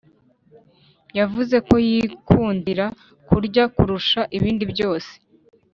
Yavuze ko yikundira kurya kurusha ibindi byose